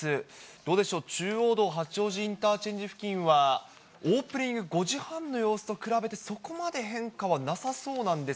どうでしょう、中央道八王子インターチェンジ付近は、オープニング５時半の様子と比べてそこまで変化はなさそうなんで